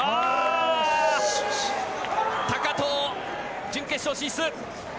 高藤、準決勝進出！